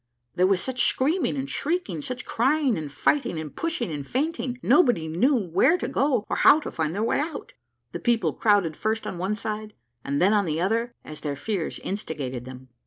There was such screaming and shrieking, such crying and fighting, and pushing, and fainting nobody knew where to go, or how to find their way out. The people crowded first on one side, and then on the other, as their fears instigated them.